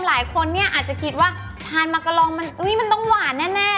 หลายคนเนี่ยอาจจะคิดว่าทานมะกะลองมันต้องหวานแน่